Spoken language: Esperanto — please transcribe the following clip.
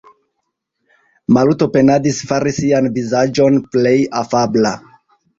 Maluto penadis fari sian vizaĝon plej afabla.